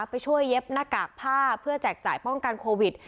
ไปช่วยเย็บหน้ากากผ้าเพื่อแจกจ่ายป้องกันโควิด